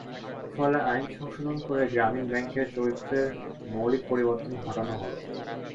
ফলে আইন সংশোধন করে গ্রামীণ ব্যাংকের চরিত্রের মৌলিক পরিবর্তন ঘটানো হলো।